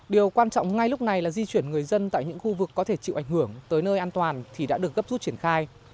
điều quan trọng ngay lúc này là di chuyển người dân tại những khu vực có thể chịu ảnh hưởng tới nơi an toàn thì đã được gấp rút triển khai